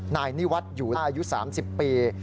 นายนิวัตรอยู่อายุ๓๐ปี